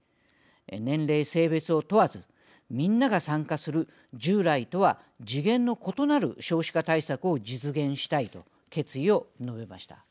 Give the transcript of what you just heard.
「年齢・性別を問わずみんなが参加する、従来とは次元の異なる少子化対策を実現したい」と決意を述べました。